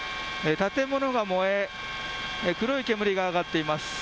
建物が燃え、黒い煙が上がっています。